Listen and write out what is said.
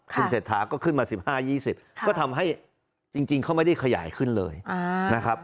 คุณเศรษฐาก็ขึ้นมา๑๕๒๐ก็ทำให้จริงเขาไม่ได้ขยายขึ้นเลยนะครับ